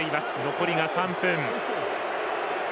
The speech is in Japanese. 残りが３分。